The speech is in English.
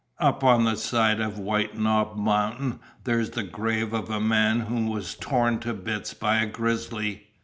"Up on the side of White Knob Mountain there's the grave of a man who was torn to bits by a grizzly.